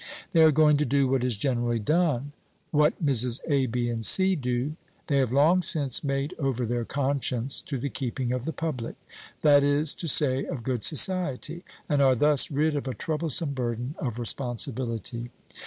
They are going to do what is generally done what Mrs. A., B., and C. do. They have long since made over their conscience to the keeping of the public, that is to say, of good society, and are thus rid of a troublesome burden of responsibility.